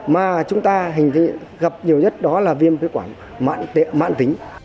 mà chúng ta hình như gặp nhiều nhất đó là viêm phế quản mạng tính